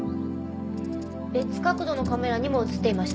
別角度のカメラにも映っていました。